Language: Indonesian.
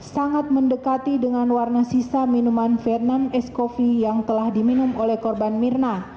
sangat mendekati dengan warna sisa minuman vietnam ice coffee yang telah diminumkan